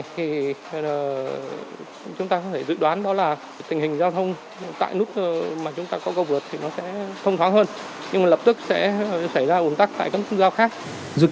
thì chúng ta có thể dự đoán đó là tình hình giao thông tại nút mà chúng ta có cầu vượt